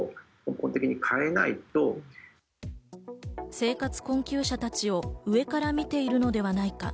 生活困窮者たちを上から見ているのではないか。